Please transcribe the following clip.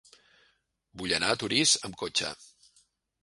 Vull anar a Torís amb cotxe.